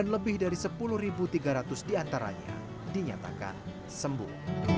lebih dari sepuluh tiga ratus diantaranya dinyatakan sembuh